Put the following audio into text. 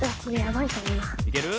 いける？